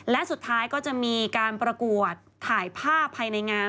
และสุดท้ายก็จะมีการประกวดถ่ายภาพภายในงาน